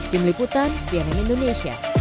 tim liputan cnn indonesia